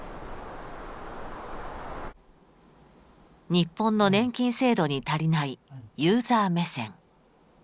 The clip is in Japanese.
日本の年金制度に足りないユーザー目線。